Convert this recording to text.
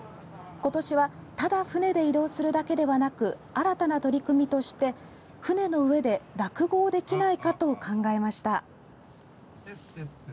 今年はただ船で移動するだけではなく新たな取り組みとして船の上で落語をできないかと考えました。